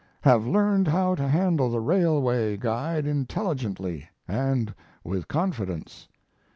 Have learned how to handle the railway guide intelligently and with confidence."